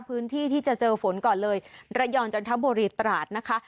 พื้นที่ที่จะเจอฝนก่อนเลยระยองจันทบุรีตราดนะคะ